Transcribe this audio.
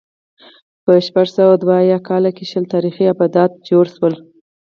په شپږ سوه دوه اویا کال کې شل تاریخي آبدات جوړ شول